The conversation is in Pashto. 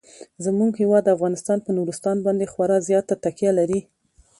زموږ هیواد افغانستان په نورستان باندې خورا زیاته تکیه لري.